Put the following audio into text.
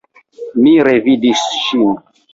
Mi revidis ŝin!